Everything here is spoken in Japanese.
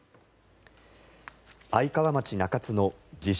愛川町中津の自称